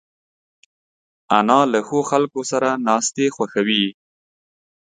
انا له ښو خلکو سره ناستې خوښوي